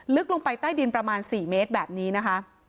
ลึกลงไปใต้ดินประมาณ๔เมตรแบบนี้นะคะ